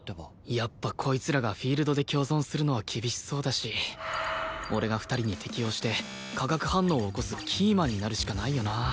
やっぱこいつらがフィールドで共存するのは厳しそうだし俺が２人に適応して化学反応を起こすキーマンになるしかないよな